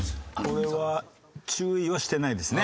これは注意はしてないですね。